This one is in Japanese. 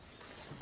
あ。